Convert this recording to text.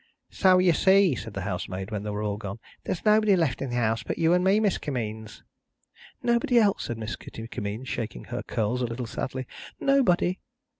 "So you see," said the housemaid, when they were all gone, "there's nobody left in the house but you and me, Miss Kimmeens." "Nobody else," said Miss Kitty Kimmeens, shaking her curls a little sadly. "Nobody!"